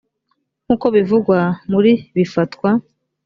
nk uko bivugwa muri bifatwa